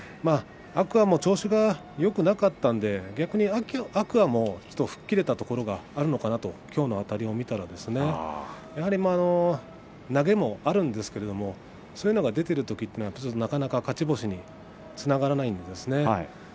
天空海も調子がよくなかったので逆に天空海も吹っ切れたところがあるのかなときょうのあたりを見たらやはり投げもあるんですけれどそういうのが出ているときというのは、なかなか勝ち星につながらないんですね。